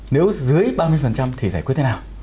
nếu dưới ba mươi thì giải quyết thế nào